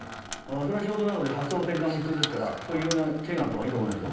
それは仕事の中で発想の転換も必要ですからそういういろんな知恵があったほうがいいと思いますよ。